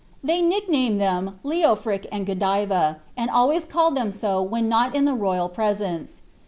They nicknamed them Leofric and Godiva, and always called them so when not in the royal presence.''